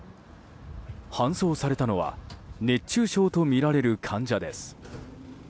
搬送されたのは熱中症とみられる患者です。